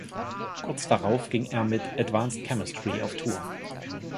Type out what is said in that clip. Kurz darauf ging er mit Advanced Chemistry auf Tour.